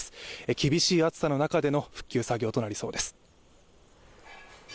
厳しい暑さの中での復旧作業となりそうです。